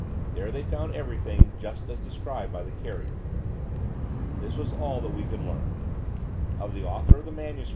There, they found everything, just as described by the carrier. This was all that we could learn. Of the author of the MS.